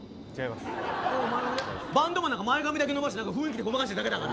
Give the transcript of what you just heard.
バンドマンなんか前髪だけ伸ばして雰囲気でごまかしてるだけだから。